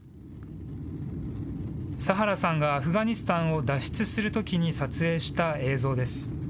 サハラさんがアフガニスタンを脱出するときに撮影した映像です。